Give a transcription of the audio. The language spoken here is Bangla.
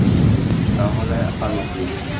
তা হলে আলো কী?